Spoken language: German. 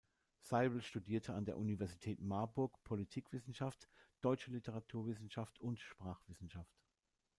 Seibel studierte an der Universität Marburg Politikwissenschaft, Deutsche Literaturwissenschaft und Sprachwissenschaft.